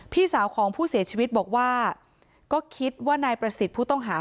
พี่สาวของผู้เสียชีวิตบอกว่าก็คิดว่านายประสิทธิ์ผู้ต้องหา